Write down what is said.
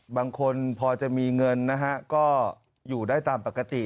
บางคนพอจะมีเงินนะฮะก็อยู่ได้ตามปกติ